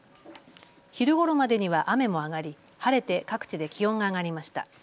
昼ごろまでには雨も上がり晴れて各地で気温が上がりました。